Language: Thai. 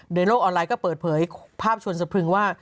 โดยโลกออนไลน์ก็เปิดเผยภาพชวนสะพรึงว่า